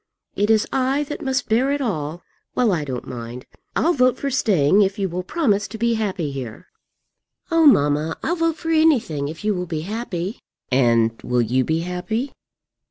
It is I that must bear it all. Well, I don't mind; I'll vote for staying if you will promise to be happy here. Oh, mamma, I'll vote for anything if you will be happy." "And will you be happy?"